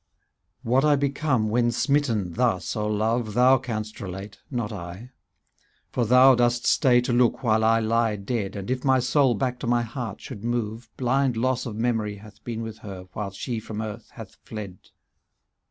" What I become when smitten, thus, O Love, Thou can'st relate, not I ; For thou dost stay to look while I lie dead. And if my soul back to my heart should move. Blind loss of memory *° Hath been with her while she from earth hath fled.